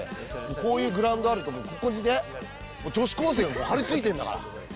こういうグラウンドあると思うけど、ここにね、女子高生が張り付いてんだから。